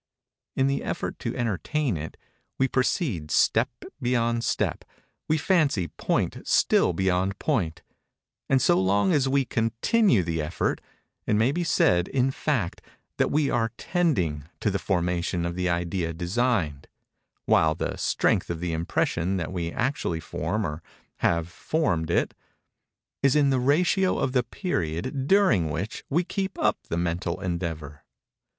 In the effort to entertain it, we proceed step beyond step—we fancy point still beyond point; and so long as we continue the effort, it may be said, in fact, that we are tending to the formation of the idea designed; while the strength of the impression that we actually form or have formed it, is in the ratio of the period during which we keep up the mental endeavor.